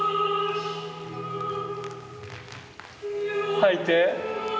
吐いて。